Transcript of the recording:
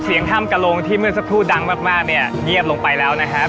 ห้ามกระลงที่เมื่อสักครู่ดังมากเนี่ยเงียบลงไปแล้วนะครับ